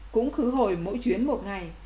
cũng khứ hồi mỗi chuyến một ngày